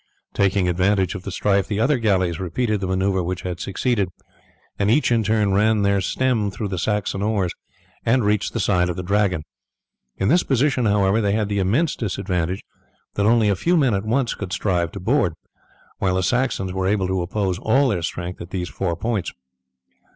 Taking advantage of the strife, the other galleys repeated the maneuver which had succeeded, and each in turn ran their stem through the Saxon oars, and reached the side of the Dragon. In this position, however, they had the immense disadvantage that only a few men at once could strive to board, while the Saxons were able to oppose all their strength at these four points.